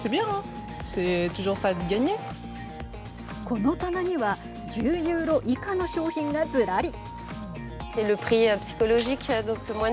この棚には１０ユーロ以下の商品がずらり。